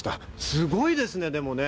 すごいですね、でもね。